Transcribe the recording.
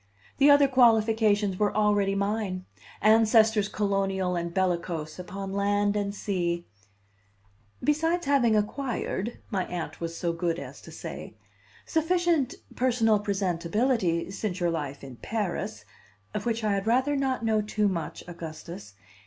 The other qualifications were already mine: ancestors colonial and bellicose upon land and sea " besides having acquired," my Aunt was so good as to say, "sufficient personal presentability since your life in Paris, of which I had rather not know too much, Augustus.